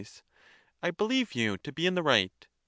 I believe you to be in the right.